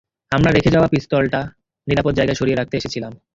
আমরা রেখে যাওয়া পিস্তলটা নিরাপদ জায়গায় সরিয়ে রাখতে এসেছিলাম।